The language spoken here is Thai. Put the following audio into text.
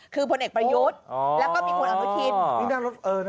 คือพลเอกประยุทธ์แล้วก็มีคุณอนุทิน